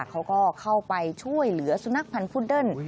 เขาก็เข้าไปช่วยเหลือสุนัขพันธ์พุดเดิ้ล